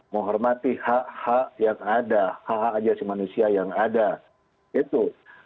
menghormati hak hak yang ada hak hak ajasi manusia yang ada itu